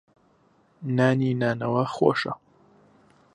نانی نانەوا خۆشە.